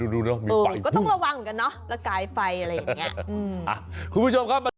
ดูเนาะมีไฟก็ต้องระวังกันเนาะระกายไฟอะไรอย่างนี้